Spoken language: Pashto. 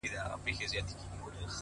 له مودو وروسته يې کرم او خرابات وکړ!!